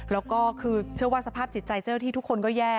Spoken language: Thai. แล้วก็คือเชื่อว่าสภาพจิตใจเจ้าหน้าที่ทุกคนก็แย่